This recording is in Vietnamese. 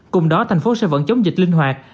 cùng đó thành phố sẽ vẫn chống dịch linh hoạt